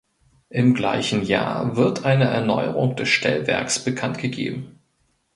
Im gleichen Jahr wird eine Erneuerung des Stellwerks bekanntgegeben.